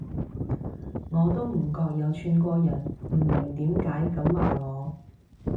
我都唔覺有串過人，唔明點解噉話我